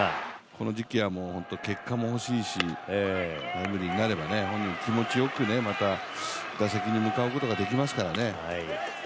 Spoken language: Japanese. この時期は結果もほしいしタイムリーになれば本人、気持ちよく、また打席に向かうことができますからね。